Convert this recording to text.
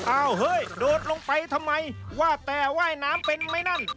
อ้าวเฮ้ยโดดลงไปทำไมว่าแต่ว่ายน้ำเป็นไหมนั่น